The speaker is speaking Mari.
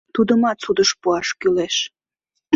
Тудымат судыш пуаш кӱлеш.